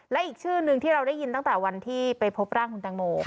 และอีกชื่อหนึ่งที่เราได้ยินตั้งแต่วันที่ไปพบร่างคุณตังโม